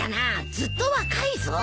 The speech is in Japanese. ずっと若いぞ。